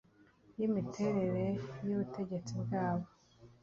y imiterere y ubutegetsi bwabo